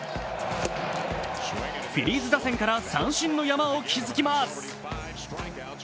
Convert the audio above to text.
フィリーズ打線から三振の山を築きます。